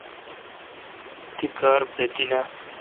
تی کار بہ تی ناں